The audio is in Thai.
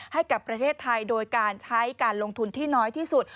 ให้กับประเทศไทยโดยการใช้การลงทุนที่น้อยที่สุด